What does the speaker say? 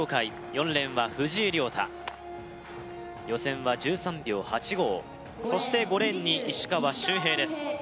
４レーンは藤井亮汰予選は１３秒８５そして５レーンに石川周平です